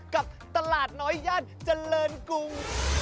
กับตลาดน้อยย่านเจริญกรุง